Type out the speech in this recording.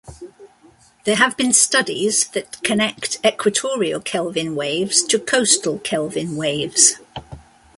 There have been studies that connect equatorial Kelvin waves to coastal Kelvin waves.